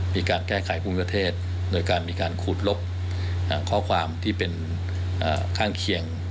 มีการแก้ไขภูมิประเทศโดยการมีการขูดลบข้อความที่เป็นข้างเคียง